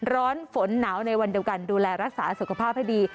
ร้อนฝนหนาวในวันเดียวกันดูแลรักษาสุขภาพให้ดี